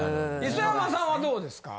磯山さんはどうですか？